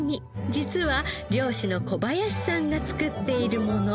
実は漁師の小林さんが作っているもの。